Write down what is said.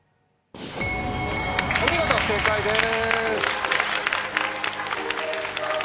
お見事正解です。